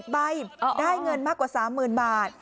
ใบได้เงินมากกว่า๓๐๐๐บาท